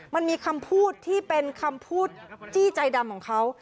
มันมีคำพูดที่เป็นคำพูดจี้ใจดำของเขา